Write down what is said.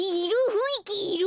ふんいきいる？